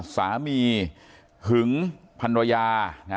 สามีหึงพันรยา